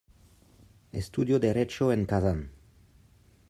Estudió Derecho en Kazán.